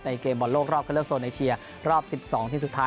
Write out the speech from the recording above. ในเกมบอลโลกรอบเครื่องเลือดโซนไนเชียรอบสิบสองที่สุดท้าย